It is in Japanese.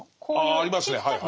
あありますね。